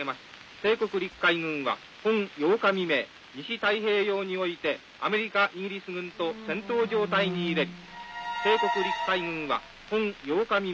帝国陸海軍は本８日未明西太平洋においてアメリカイギリス軍と戦闘状態に入れり」。